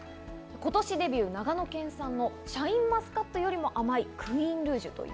今年デビュー、長野県産のシャインマスカットよりも甘いクイーンルージュです。